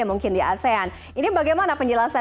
mungkin di asean ini bagaimana penjelasan